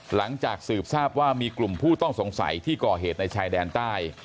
หลังจากสืบทราบว่ามีกลุ่มผู้ต้องสงสัยที่ก่อเหตุในชายแดนใต้